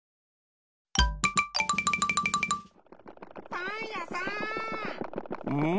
パンやさん！